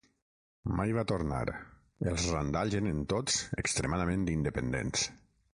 Mai va tornar: els Randalls eren tots extremadament independents.